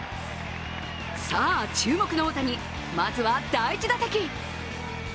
さあ、注目の大谷まずは第１打席。